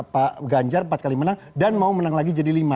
pak ganjar empat kali menang dan mau menang lagi jadi lima